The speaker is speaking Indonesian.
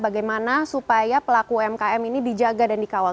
bagaimana supaya pelaku umkm ini dijaga dan dikawal